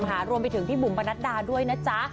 รวมไปถึงพี่บุ๋มประนัดดาด้วยนะจ๊ะ